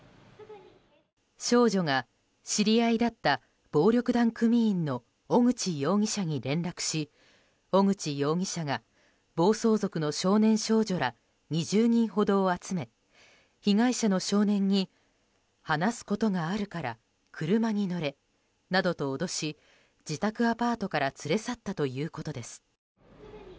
少女が知り合いだった暴力団組員の小口容疑者に連絡し小口容疑者が暴走族の少年少女ら２０人ほどを集め被害者の少年に話すことがあるから車に乗れなどと脅し自宅アパートから連れ去ったということです。